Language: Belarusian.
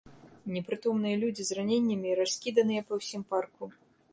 Непрытомныя людзі з раненнямі раскіданыя па ўсім парку.